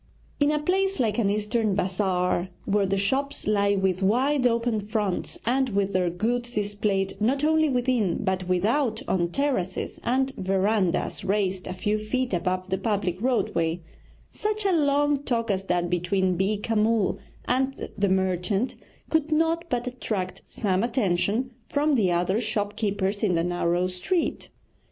In a place like an Eastern bazaar, where the shops lie with wide open fronts, and with their goods displayed not only within but without on terraces and verandahs raised a few feet above the public roadway, such a long talk as that between Beeka Mull and the merchant could not but attract some attention from the other shop keepers in the narrow street.